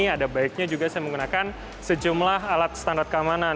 ada baiknya juga saya menggunakan sejumlah alat standar keamanan